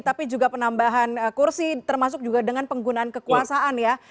tapi juga penambahan kursi termasuk juga dengan penggunaan kekuasaan ya